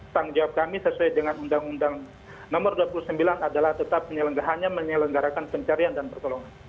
tanggung jawab kami sesuai dengan undang undang nomor dua puluh sembilan adalah tetap hanya menyelenggarakan pencarian dan pertolongan